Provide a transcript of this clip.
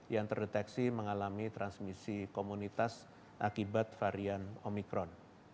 yang terdeteksi mengalami transmisi komunitas akibat varian omikron